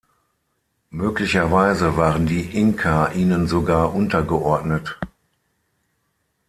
Möglicherweise waren die Inka ihnen sogar untergeordnet.